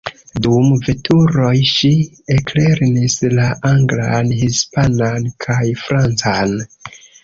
Dum veturoj, ŝi eklernis la anglan, hispanan kaj francan.